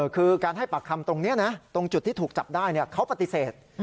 คือการให้ปากคำตรงนี้นะตรงจุดที่ถูกจับได้เขาปฏิเสธ